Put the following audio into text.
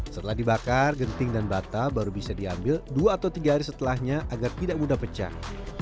setelah dibakar genting dan bata baru bisa diambil dua atau tiga hari setelahnya agar tidak mudah pecah